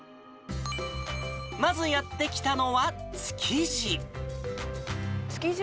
まずやって来たのは、築地。